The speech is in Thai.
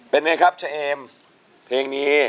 เป็นไงครับเชมเพลงนี้